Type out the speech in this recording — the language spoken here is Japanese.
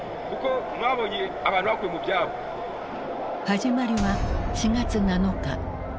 始まりは４月７日。